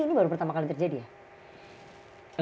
ini baru pertama kali terjadi ya